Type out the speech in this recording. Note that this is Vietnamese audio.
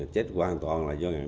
chết hoàn toàn là do ngạt nước